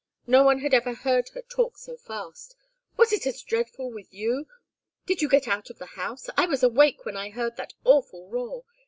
And no one had ever heard her talk so fast. "Was it as dreadful with you? Did you get out of the house? I was awake when I heard that awful roar.